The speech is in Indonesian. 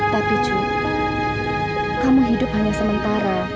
tapi jumpa kamu hidup hanya sementara